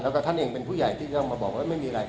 แล้วก็ท่านเองเป็นผู้ใหญ่ที่ต้องมาบอกว่าไม่มีอะไร